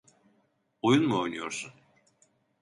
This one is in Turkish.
Oyun mu oynuyorsun?